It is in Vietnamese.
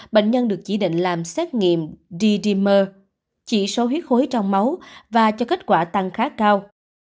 bệnh nhân được chỉ định làm xét nghiệm rdmer chỉ số huyết khối trong máu và cho kết quả tăng khá cao